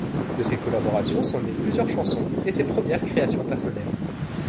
De ces collaborations sont nées plusieurs chansons et ses premières créations personnelles.